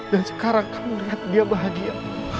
dan sekarang kamu lihat dia bahagia